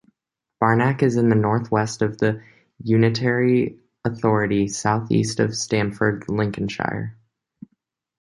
Barnack is in the north-west of the unitary authority, south-east of Stamford, Lincolnshire.